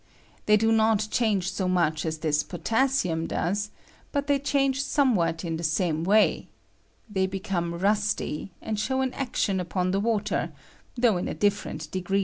They do not change so much as this potassium does, but they change somewhat in the same way; they become rusty, and show an action I upon the water, though in a different degree